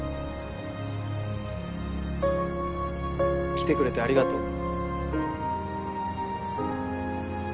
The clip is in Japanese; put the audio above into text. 来てくれてありがとう。